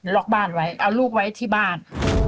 ล็อกบ้านไว้เอาลูกไว้ที่บ้าน